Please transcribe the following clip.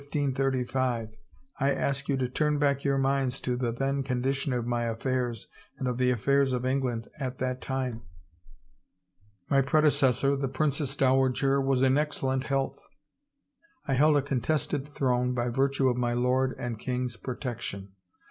I ask you to turn back your minds to the then condition of my affairs and of the af fairs of England at that time. My predecessor, the Princess Dowager, was in excellent health. I held a contested throne by virtue of my lord and king's pro tection.